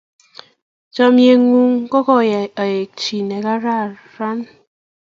chamiyet ng'un ko koai aengu ji ne karakan